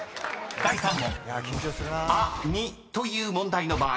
［第３問アニという問題の場合